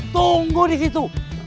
tunggu di situ